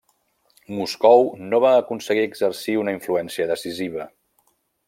Moscou no va aconseguir exercir una influència decisiva.